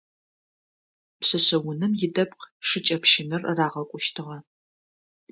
Пшъэшъэунэм идэпкъ шыкӏэпщынэр рагъэкӏущтыгъэ.